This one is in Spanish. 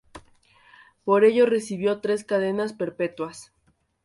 Por ello recibió tres cadenas perpetuas.